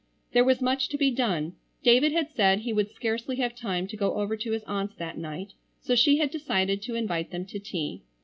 There was much to be done. David had said he would scarcely have time to go over to his aunts that night, so she had decided to invite them to tea.